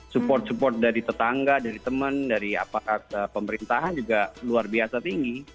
support support dari tetangga dari teman dari aparat pemerintahan juga luar biasa tinggi